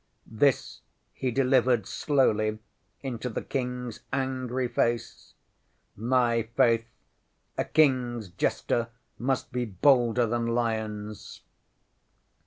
ŌĆØ ŌĆśThis he delivered slowly into the KingŌĆÖs angry face! My faith, a KingŌĆÖs jester must be bolder than lions!